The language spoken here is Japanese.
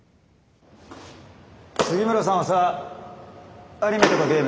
杉村さんはさアニメとかゲーム好き？